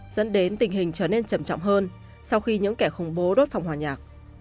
dẫn đến tình hình trở nên chậm chọng hơn sau khi những kẻ khủng bố đốt phòng hòa nhạc